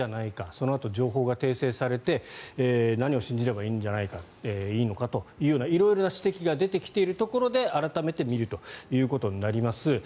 そのあと情報が訂正されて何を信じればいいのかという色々な指摘が出てきているところで改めて見るということになります。